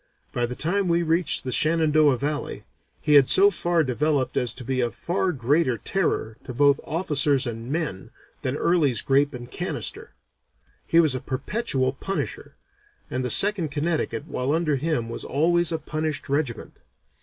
By the time we reached the Shenandoah Valley, he had so far developed as to be a far greater terror, to both officers and men, than Early's grape and canister. He was a Perpetual Punisher, and the Second Connecticut while under him was always a punished regiment.